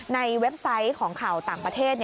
เว็บไซต์ของข่าวต่างประเทศ